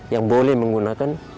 yang boleh menggunakan